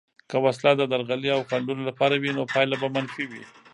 که وسله د درغلي او خنډونو لپاره وي، نو پایله به منفي وي.